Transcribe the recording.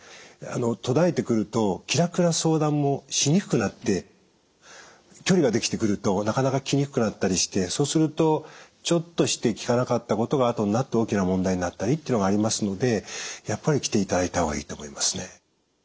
途絶えてくると気楽な相談もしにくくなって距離ができてくるとなかなか来にくくなったりしてそうするとちょっとして聞かなかったことが後になって大きな問題になったりっていうのがありますのでやっぱり来ていただいた方がいいと思いますね。